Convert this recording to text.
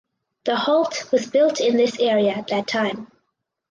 The halt was built in this area at that time.